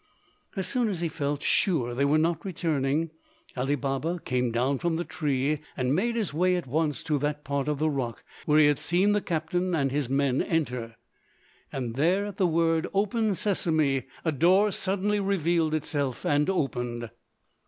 As soon as he felt sure that they were not returning, Ali Baba came down from the tree and made his way at once to that part of the rock where he had seen the captain and his men enter. And there at the word "Open, Sesamé!" a door suddenly revealed itself and opened.